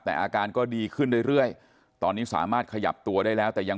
แต่อาการก็ดีขึ้นเรื่อยตอนนี้สามารถขยับตัวได้แล้วแต่ยัง